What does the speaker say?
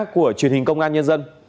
của truyền hình công an nhân dân